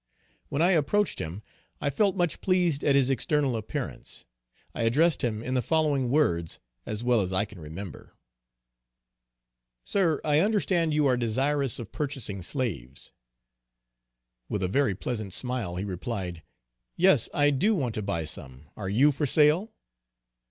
When I approached him, I felt much pleased at his external appearance I addressed him in the following words as well as I can remember: "Sir, I understand you are desirous of purchasing slaves?" With a very pleasant smile, he replied, "Yes, I do want to buy some, are you for sale?"